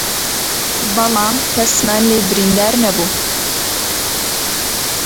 بەڵام کەسمان لێ بریندار نەبوو